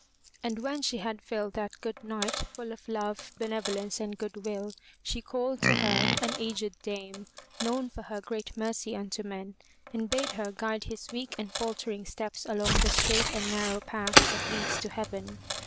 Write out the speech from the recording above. And when she had filled that good knight full of love, benev olence and good will, she called to her an aged Dame, known for her great mercy unto men, and bade her guide his weak and falter ing steps along the straight and narrow path that leads to heaven.